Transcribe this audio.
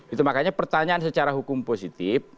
itu makanya pertanyaan secara hukum positif